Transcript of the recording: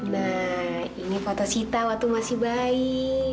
nah ini foto sita waktu masih bayi